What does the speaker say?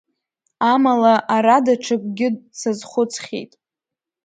Амала, ара даҽакгьы сазхәыцхьеит…